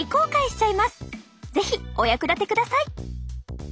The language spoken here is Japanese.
是非お役立てください！